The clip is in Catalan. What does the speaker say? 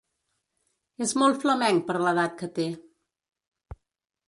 És molt flamenc per l'edat que té.